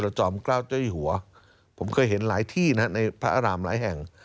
จอมเกล้าเจ้าอยู่หัวผมเคยเห็นหลายที่นะในพระอารามหลายแห่ง